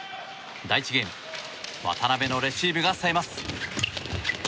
第１ゲーム渡辺のレシーブが冴えます。